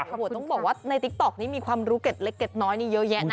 หมอทรงบอกว่าในติ๊กต๊อกนี้มีความรู้เก็บเล็กเก็บน้อยเยอะแยะนะ